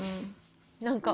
何か。